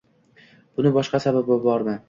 Buni boshqa sababi bormi?